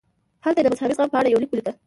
هلته یې د مذهبي زغم په اړه یو لیک ولیکه.